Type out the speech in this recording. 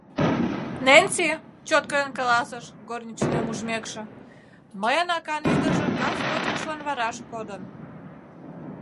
— Ненси, — чоткыдын каласыш, горничныйым ужмекше, — мыйын акан ӱдыржӧ кас кочкышлан вараш кодын.